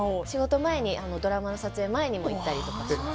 仕事前に、ドラマの撮影前にも行ったりします。